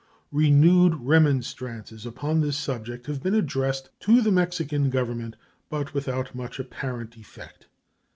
Renewed remonstrances upon this subject have been addressed to the Mexican Government, but without much apparent effect.